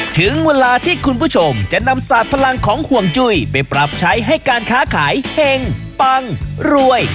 ถึงเวลาที่คุณผู้ชมจะนำสาดพลังของห่วงจุ้ยไปปรับใช้ให้การค้าขายเห็งปังรวย